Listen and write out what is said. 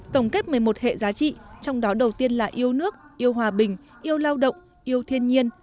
tổng kết một mươi một hệ giá trị trong đó đầu tiên là yêu nước yêu hòa bình yêu lao động yêu thiên nhiên